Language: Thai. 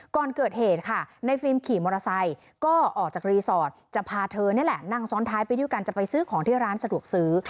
ก่อนเกิดเหตุค่ะในฟิล์มขี่มอเตอร์ไซค์ก็ออกจากรีสอร์ทจะพาเธอนี่แหละนั่งซ้อนท้ายไปด้วยกันจะไปซื้อของที่ร้านสะดวกซื้อ